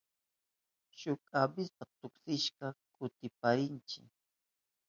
Shuk avispa tuksihushpan kuchparinchi.